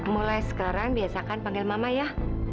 mulai sekarang biasakan panggil mama ya